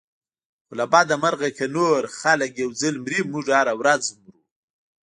خو له بده مرغه که نور خلک یو ځل مري موږ هره ورځ مرو.